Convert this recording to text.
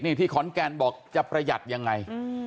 นี่ที่ขอนแก่นบอกจะประหยัดยังไง